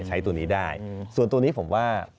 ใช้ตัวนี้ได้ส่วนตัวนี้ผมว่า